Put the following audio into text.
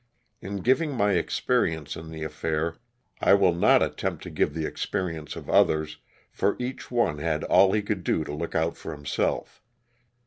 In giving my experience in the affair I will not attempt to give the experience of others, for each one had all he could do to look out for himself.